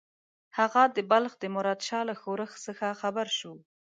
هغه د بلخ د مراد شاه له ښورښ څخه خبر شو.